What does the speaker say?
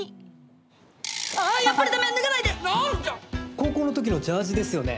高校の時のジャージですよね。